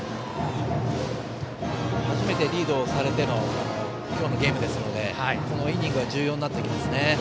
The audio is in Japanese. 初めてリードをされての今日のゲームですのでこのイニングは重要になってきますね。